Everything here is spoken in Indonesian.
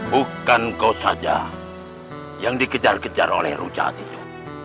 bukan kau saja yang dikejar kejar oleh rucan itu